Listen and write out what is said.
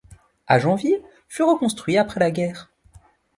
Agenville fut reconstruit après la guerre.